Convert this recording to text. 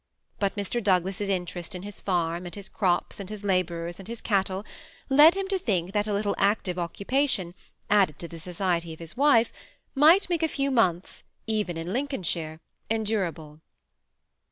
But Mr. Douglas's interest in his farm, and his crops, and his laborers, and his cattle, led him to think that a little active occupation, added to the society of his wife, might make a few months, even in Lincolnshire, en durable.